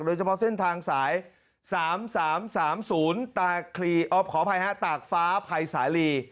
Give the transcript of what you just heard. โดยเฉพาะเส้นทางสาย๓๓๓๐ตากฟ้าภัยสาลี